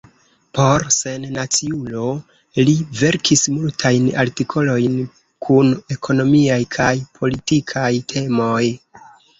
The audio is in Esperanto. Por Sennaciulo li verkis multajn artikolojn kun ekonomiaj kaj politikaj temoj.